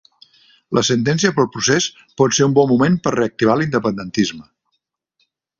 La sentència pel procés pot ser un bon moment per reactivar l'independentisme